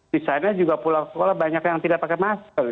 di sana juga pulang sekolah banyak yang tidak pakai masker